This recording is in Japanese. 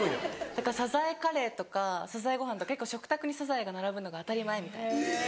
だからサザエカレーとかサザエご飯とか結構食卓にサザエが並ぶのが当たり前みたいな。